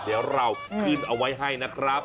เดี๋ยวเราขึ้นเอาไว้ให้นะครับ